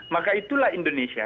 maka itulah indonesia